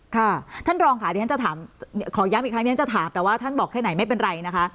ค่ะท่านรองค่ะที่ฉันจะถามขอย้ำอีกครั้งที่ฉันจะถามแต่ว่าท่านบอกแค่ไหนไม่เป็นไรนะคะ